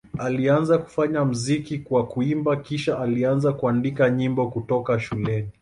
Alianza kufanya muziki kwa kuimba, kisha alianza kuandika nyimbo kutoka shuleni.